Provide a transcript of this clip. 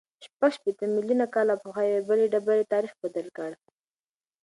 شپږ شپېته میلیونه کاله پخوا یوې بلې ډبرې تاریخ بدل کړ.